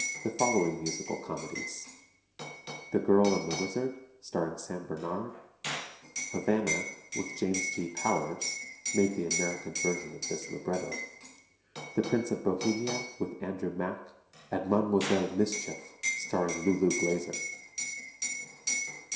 the following musical comedies: "The Girl and the Wizard," starring Sam Bernard; "Havana," with James T. Powers (made the American version of this libretto); "The Prince of Bohemia," with Andrew Mack, and "Mlle. Mischief," starring Lulu Glaser.